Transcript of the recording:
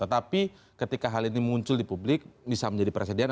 tetapi ketika hal ini muncul di publik bisa menjadi presiden